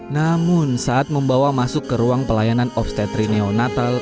namun saat membawa masuk ke ruang pelayanan obstetri neonatal